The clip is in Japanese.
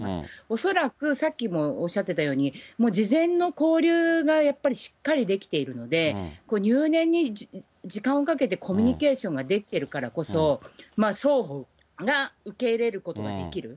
恐らくさっきもおっしゃってたように、もう事前の交流がやっぱりしっかりできているので、入念に時間をかけて、コミュニケーションができてるからこそ、双方が受け入れることができる。